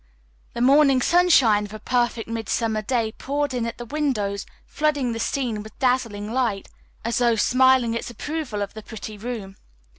The morning sunshine of a perfect midsummer day poured in at the windows flooding the scene with dazzling light, as though smiling its approval of the pretty room.